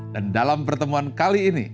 dan dalam pertemuan kali ini